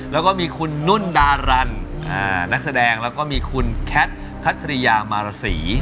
แล้วก็มีคุณนุ่นดารันนักแสดงแล้วก็มีคุณแคทคัทริยามารสี